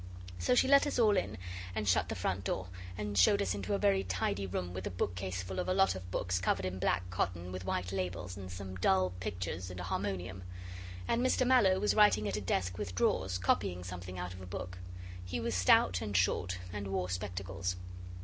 So she let us all in and shut the front door, and showed us into a very tidy room with a bookcase full of a lot of books covered in black cotton with white labels, and some dull pictures, and a harmonium. And Mr Mallow was writing at a desk with drawers, copying something out of a book. He was stout and short, and wore spectacles.